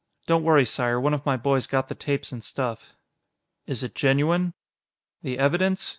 Don't worry, Sire; one of my boys got the tapes and stuff." "Is it genuine?" "The evidence?